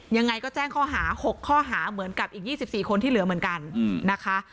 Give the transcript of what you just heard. ยังไงก็แจ้งข้อหา๖ข้อหาเหมือนกับอีก๒๔คนที่เหลือเหมือนกันนะคะ